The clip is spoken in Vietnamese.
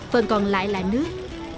phần còn lại là nước